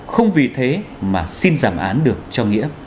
không vì thế mà xin giảm án được cho nghĩa